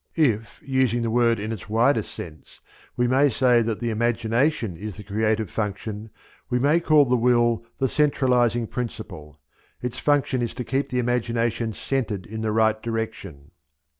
If, using the word in its widest sense, we may say that the imagination is the creative function, we may call the will the centralizing principle. Its function is to keep the imagination centred in the right direction.